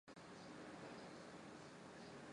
其中一部分赛马是其在其父死后所继承。